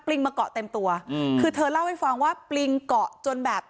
ลิงมาเกาะเต็มตัวอืมคือเธอเล่าให้ฟังว่าปลิงเกาะจนแบบ